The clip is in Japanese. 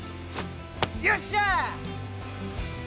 よっしゃ！